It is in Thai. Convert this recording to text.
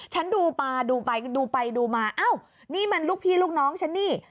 ฉันดูไปดูไปดูมาอ้าวนี่มันลูกพี่ลูกน้องฉันนี่